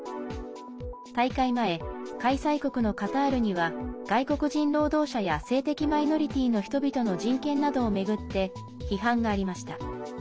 大会前、開催国のカタールには外国人労働者や性的マイノリティーの人々の人権などを巡って批判がありました。